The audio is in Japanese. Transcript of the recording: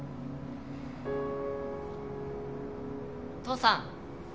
・父さん。